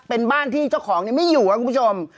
เป็นบ้านที่เจ้าของไม่อยู่ครับคุณผู้ชม